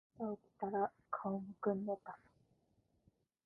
朝起きたら顔浮腫んでいた